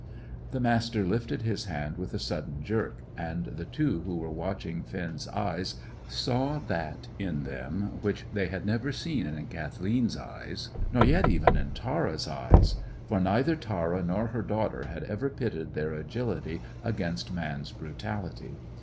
The Master lifted his hand with a sudden jerk, and the two who were watching Finn's eyes saw that in them which they had never seen in Kathleen's, nor yet even in Tara's eyes; for neither Tara nor her daughter had ever pitted their agility against man's brutality.